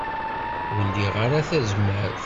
Ur liɣ ara tazmert.